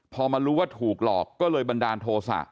พอมารู้ว่าถูกหลอกก็เลยบันดาลโทษะ